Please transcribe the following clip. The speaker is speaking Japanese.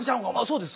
そうです。